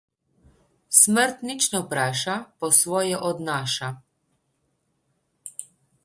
Smrt nič ne vpraša, po svoje odnaša.